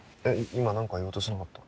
今何か言おうとしてなかった？」